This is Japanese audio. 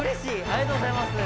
ありがとうございます。